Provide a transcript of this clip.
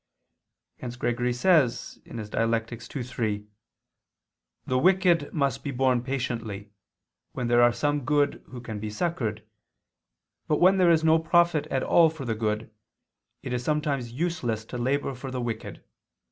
Hence Gregory says (Dial. ii, 3): "The wicked must be borne patiently, when there are some good who can be succored, but when there is no profit at all for the good, it is sometimes useless to labor for the wicked.